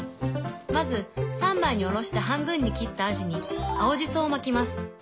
まず三枚におろして半分に切ったアジに青しそを巻きます。